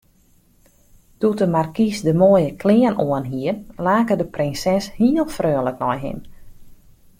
Doe't de markys de moaie klean oanhie, lake de prinses heel freonlik nei him.